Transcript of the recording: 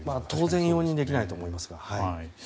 当然、容認できないと思いますが。